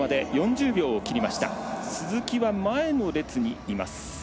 鈴木は前の列にいます。